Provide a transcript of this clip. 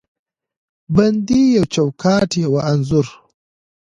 بندې یو چوکاټ، یوه انځور